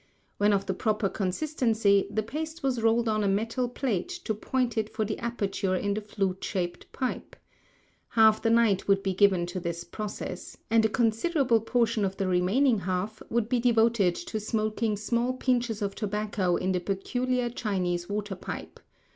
When of the proper consistency, the paste was rolled on a metal plate to point it for the aperture in the flute shaped pipe. Half the night would be given to this process, and a considerable portion of the remaining half would be devoted to smoking small pinches of tobacco in the peculiar Chinese water pipe.